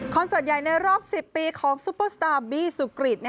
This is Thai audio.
เสิร์ตใหญ่ในรอบ๑๐ปีของซุปเปอร์สตาร์บี้สุกริต